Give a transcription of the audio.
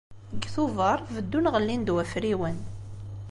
Deg Tubeṛ, beddun ɣellin-d wafriwen.